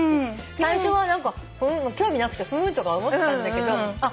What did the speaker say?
最初は何か興味なくてふーんとか思ってたんだけどあっ